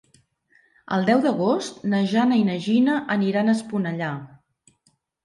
El deu d'agost na Jana i na Gina aniran a Esponellà.